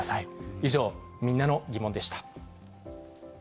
以上、みんなのギモンでした。